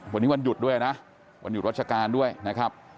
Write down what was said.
วันนี้วันหยุดด้วยนะวันหยุดราชการด้วยนะครับ